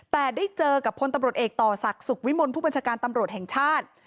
แต่ได้เจอกับพลตำรวจเอกต่อศักดิ์สุขวิมลผู้บัญชาการตำรวจแห่งชาติ